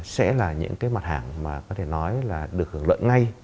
sẽ là những cái mặt hàng mà có thể nói là được hưởng lợi ngay